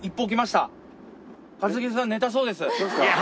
そうですか。